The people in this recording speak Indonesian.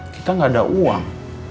kita gak ada uang